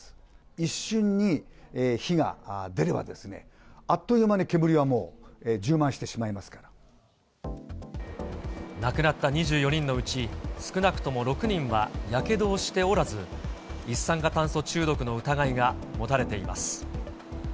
一瞬に火が出れば、あっという間に煙はもう充満してしまいますか亡くなった２４人のうち、少なくとも６人はやけどをしておらず、一酸化炭素中毒の疑いが持たれています。